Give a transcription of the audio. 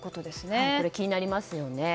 気になりますよね。